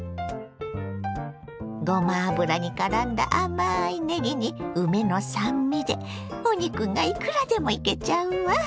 ごま油にからんだ甘いねぎに梅の酸味でお肉がいくらでもいけちゃうわ。